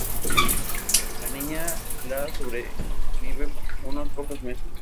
La niña la sobrevive unos pocos meses.